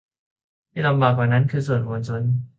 ที่ลำบากกว่านั้นคือสื่อมวลชน